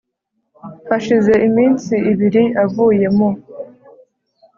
Hashize iminsi ibiri avuye mu